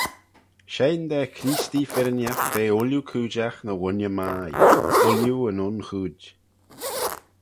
Shegin da Creestee firrinagh ve ooilley cooidjagh ny wooinney mie, ooilley yn un chooid.